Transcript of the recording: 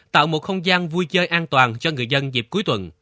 tạo một không gian vui chơi an toàn cho người dân dịp cuối tuần